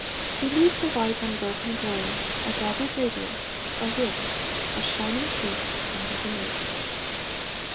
He leaves a white Unbroken glory, a gathered radiance, A width, a shining peace, under the night.